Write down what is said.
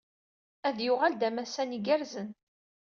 Ad yuɣal d amassan igerrzen.